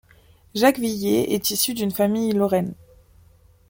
Jacques Villiers est issu d'une famille lorraine.